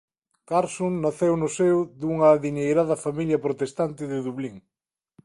Carson naceu no seo dunha adiñeirada familia protestante de Dublín.